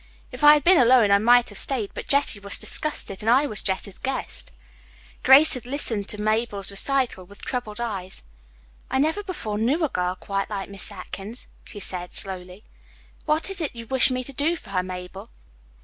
If I had been alone, I might have stayed, but Jessie was disgusted, and I was Jessie's guest." Grace had listened to Mabel's recital with troubled eyes. "I never before knew a girl quite like Miss Atkins," she said slowly. "What is it you wish me to do for her, Mabel?"